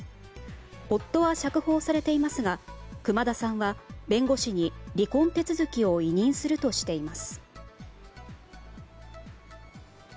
夫は釈放されていますが熊田さんは弁護士に離婚手続きを委任するとしています。